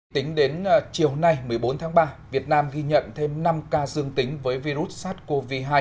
tính đến chiều nay một mươi bốn tháng ba việt nam ghi nhận thêm năm ca dương tính với virus sars cov hai